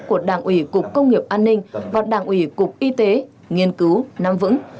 của đảng ủy cục công nghiệp an ninh và đảng ủy cục y tế nghiên cứu nắm vững